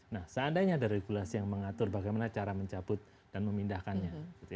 nah seandainya ada regulasi yang mengatur bagaimana cara mencabut dan memindahkannya